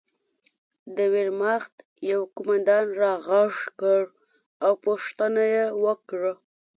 د ویرماخت یوه قومندان را غږ کړ او پوښتنه یې وکړه